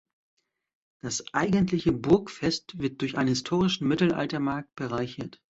Das eigentliche Burgfest wird durch einen historischen Mittelaltermarkt bereichert.